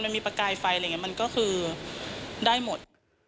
มันมีประกายไฟอะไรอย่างนี้มันก็คือได้หมด